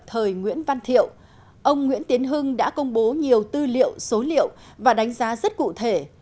thời nguyễn văn thiệu ông nguyễn tiến hưng đã công bố nhiều tư liệu số liệu và đánh giá rất cụ thể